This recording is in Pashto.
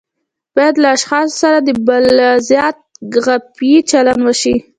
باید له اشخاصو سره د بالذات غایې چلند وشي.